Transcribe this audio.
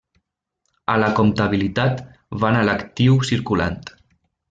A la comptabilitat van a l'actiu circulant.